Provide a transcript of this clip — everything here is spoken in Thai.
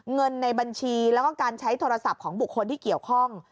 เงินในบัญชีแล้วก็การใช้โทรศัพท์ของบุคคลที่เกี่ยวข้อง